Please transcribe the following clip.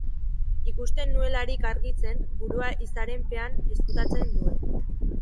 Ikusten nuelarik argitzen, burua izaren pean ezkutatzen nuen.